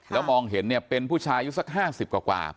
แล้วมองเห็นเนี่ยเป็นผู้ชายอายุสัก๕๐กว่า